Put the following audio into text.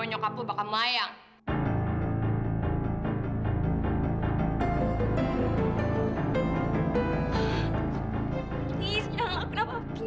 dan kamu gak mau keluar lagi